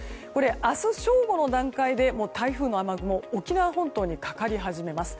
明日正午の段階で台風の雨雲は沖縄本島にかかり始めます。